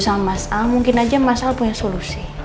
sama mas a mungkin aja mas al punya solusi